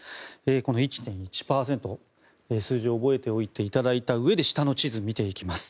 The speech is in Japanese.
この１．１％、数字を覚えておいていただいたうえで下の地図を見ていきます。